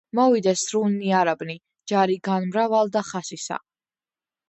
მოვიდეს სრულნი არაბნი, ჯარი განმრავლდა ხასისა